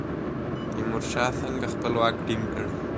تیمور شاه څنګه خپل واک ټینګ کړ؟